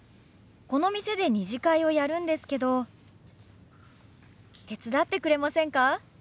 この店で２次会をやるんですけど手伝ってくれませんか？